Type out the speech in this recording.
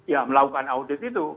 ya melakukan audit itu